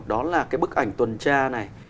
đó là cái bức ảnh tuần tra này